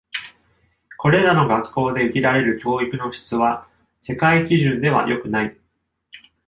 これらの学校で受けられる教育の質は、世界基準では良くない。